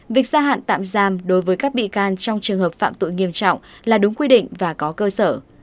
việc gia hạn tạm giam đối với các bị can trong trường hợp phạm tội nghiêm trọng là đúng quy định và có cơ sở